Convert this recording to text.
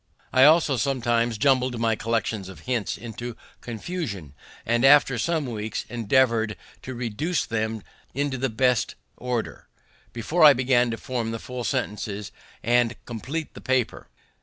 I also sometimes jumbled my collections of hints into confusion, and after some weeks endeavored to reduce them into the best order, before I began to form the full sentences and compleat the paper.